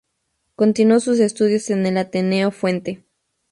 Continuó sus estudios en el Ateneo Fuente.